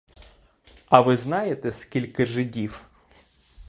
А ви знаєте, скільки жидів?